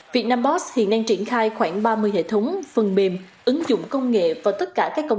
vietnambot hiện đang triển khai khoảng ba mươi hệ thống phần mềm ứng dụng công nghệ vào tất cả các công